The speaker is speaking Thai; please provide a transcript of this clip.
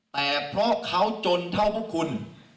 แต่เพราะเขาจนเท่าพวกคุณ